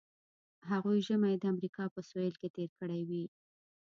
هغوی ژمی د امریکا په سویل کې تیر کړی وي